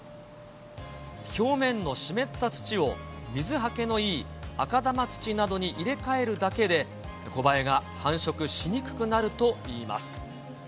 表面の湿った土を、水はけのいい赤玉土などに入れ替えるだけで、コバエが繁殖しにくくなるといいます。